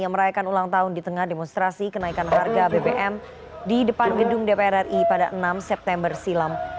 yang merayakan ulang tahun di tengah demonstrasi kenaikan harga bbm di depan gedung dpr ri pada enam september silam